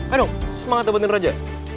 ayo dong semangat dapetin raja